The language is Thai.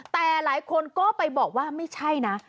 แต่หลายคนก็ไปบอกว่าไม่ใช่นะ